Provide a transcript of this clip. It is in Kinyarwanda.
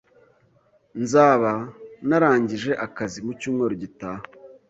Nzaba narangije akazi mu cyumweru gitaha